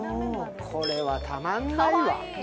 これはたまんないわ。